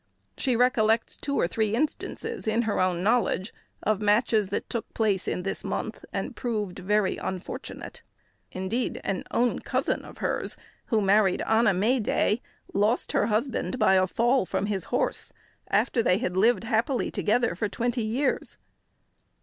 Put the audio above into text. She recollects two or three instances in her own knowledge of matches that took place in this month, and proved very unfortunate. Indeed, an own cousin of hers, who married on a May day, lost her husband by a fall from his horse, after they had lived happily together for twenty years.